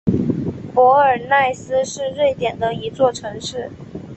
博尔奈斯是瑞典的一座城市。